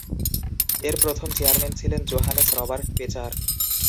এর প্রথম চেয়ারম্যান ছিলেন জোহানেস রবার্ট বেচার।